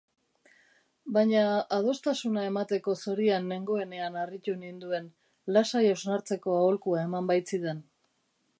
Baina adostasuna emateko zorian nengoenean harritu ninduen, lasai hausnartzeko aholkua eman baitzidan.